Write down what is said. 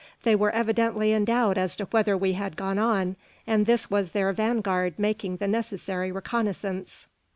They were evidently in doubt as to whether we had gone on, and this was their vanguard making the necessary reconnaissance.